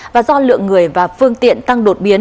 và do lượng người và phương tiện tăng đột biến